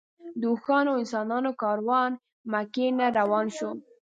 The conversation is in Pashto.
د اوښانو او انسانانو کاروان مکې نه روان شو.